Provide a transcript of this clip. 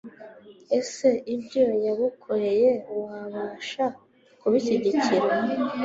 ese ibyo yagukoreye wabasha kubishyigikira